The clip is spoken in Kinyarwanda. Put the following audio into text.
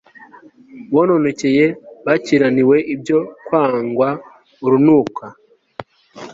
bononekaye bakiraniwe ibyo kwangwa urunuka